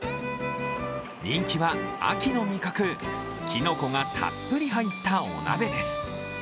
人気は秋の味覚、きのこがたっぷり入ったお鍋です。